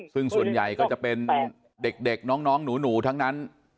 ซึ่งส่วนใหญ่ก็จะเป็นเด็กน้องหนูทั้งนั้น